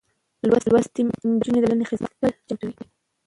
لوستې نجونې د ټولنې خدمت ته تل چمتو وي.